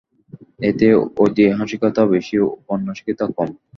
এতে ঐতিহাসিকতা বেশী, ঔপন্যাসিকতা কম।